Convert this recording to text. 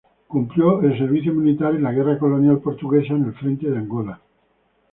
Cumplió el servicio militar en la Guerra colonial portuguesa en el frente de Angola.